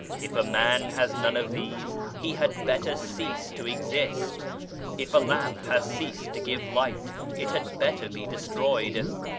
If a man has none of these, he had better cease to exist. If a lamp has ceased to give light, it had better be des troyed.